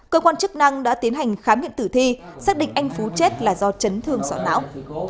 cơ quan chức năng đã tiến hành khám nghiệm tử thi xác định anh phú chết là do chấn thương sọ não